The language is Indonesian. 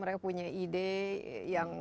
mereka punya ide yang